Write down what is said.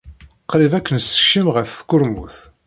Qrib ad k-nessekcem ɣer tkurmut.